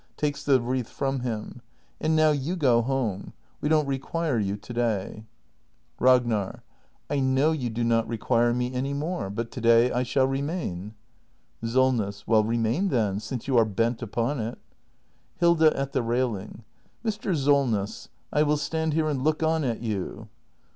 [Takes the wreath from him.] And now you go home; we don't require you to day. act in] THE MASTER BUILDER 411 Ragnar. I know you do not require me any more; but to day I shall remain. SOLNESS. Well, remain then, since you are bent upon it. Hilda. [At the railing.] Mr. Solness, I will stand here and look on at you.